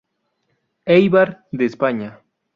Eibar de España.